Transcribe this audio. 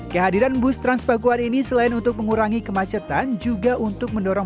kehadiran bus transpakuan ini selain untuk mengurangi kemacetan juga untuk mendorong